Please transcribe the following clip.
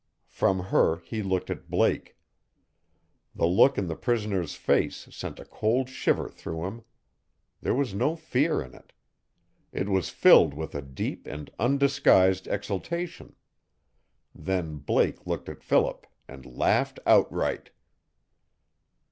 From her he looked at Blake. The look in the prisoner's face sent a cold shiver through him. There was no fear in it. It was filled with a deep and undisguised exultation. Then Blake looked at Philip, and laughed outright.